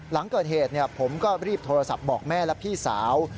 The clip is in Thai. หลังเกิดเหตุผมก็รีบโทรศัพท์บอกแม่และพี่สาว